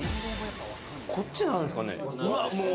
こっちなんですかね？